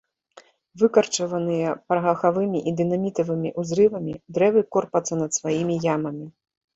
Выкарчаваныя парахавымі і дынамітавымі ўзрывамі, дрэвы корпацца над сваімі ямамі.